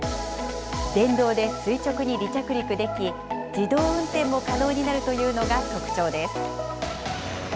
電動で垂直に離着陸でき、自動運転も可能になるというのが特徴です。